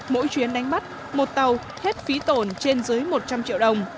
mỗi chuyến đánh bắt một tàu hết phí tổn trên dưới một trăm linh triệu đồng